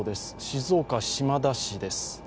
静岡・島田市です。